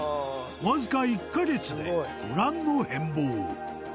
わずか１か月でご覧の変貌